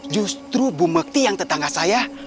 justru bu mekti yang tetangga saya